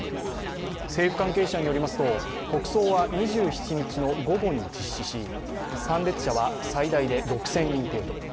政府関係者によりますと、国葬は２７日の午後に実施し、参列者は最大で６０００人程度。